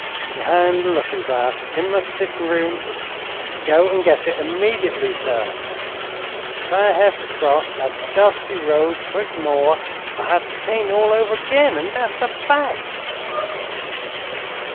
"Behind the lookin' glass in my sett'n room." "Go and get it immediately, sir!" "Ef I hev to cross thet dusty road twic't more, I'll hev to paint all over agin, an' thet's a fact."